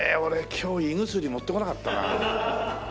俺今日胃薬持ってこなかったな。